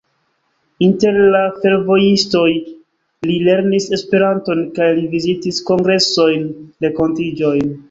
Inter la fervojistoj li lernis Esperanton kaj li vizitis kongresojn, renkontiĝojn.